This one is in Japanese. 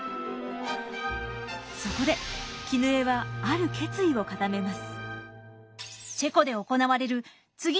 そこで絹枝はある決意を固めます。